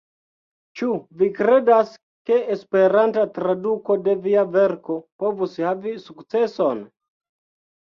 Ĉu vi kredas ke Esperanta traduko de via verko povus havi sukceson?